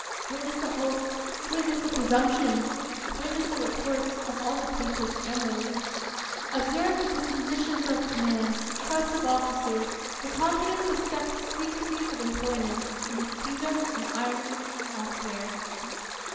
Witness the hopes, witness the presumptions, witness the reports of all the papists generally. Observe the dispositions of commands, the trust of officers, the confidence of secrecies of employments, in this kingdom, in Ireland, and elsewhere.